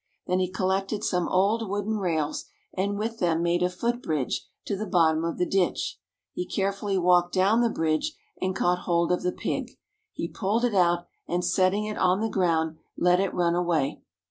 Then he collected some old wooden rails, and with them made a foot bridge to the bottom of the ditch. He carefully walked down the bridge, and caught hold of the pig. He pulled it out, and setting it on the ground, let it run away.